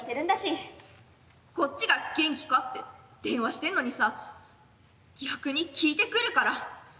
こっちが元気かって電話してんのにさ逆に聞いてくるから。